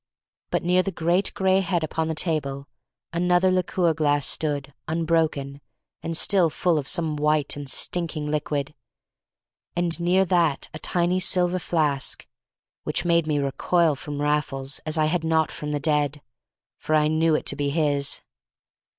But near the great gray head upon the table another liqueur glass stood, unbroken, and still full of some white and stinking liquid; and near that a tiny silver flask, which made me recoil from Raffles as I had not from the dead; for I knew it to be his.